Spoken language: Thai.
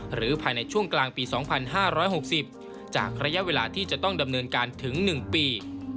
หรือภายในช่วงกลางปีสองพันห้าร้อยหกสิบจากระยะเวลาที่จะต้องดำเนินการถึงหนึ่งปี